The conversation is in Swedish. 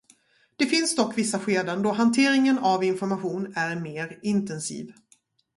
Det finns dock vissa skeden då hanteringen av information är mer intensiv.